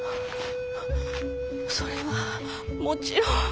それはもちろん。